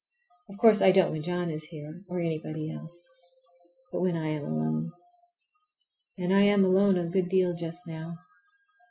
Of course I don't when John is here, or anybody else, but when I am alone. And I am alone a good deal just now.